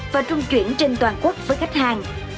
và trung chuyển trên toàn quốc với khách hàng